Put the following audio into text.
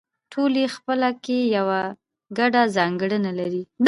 ټول یې خپله کې یوه ګډه ځانګړنه لري